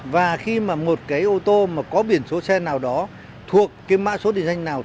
và khi mà một cái ô tô mà có biển số xe nào đó thuộc cái mã số định danh nào